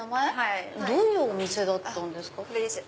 どういうお店だったんですか？